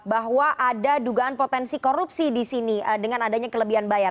bahwa ada dugaan potensi korupsi di sini dengan adanya kelebihan bayar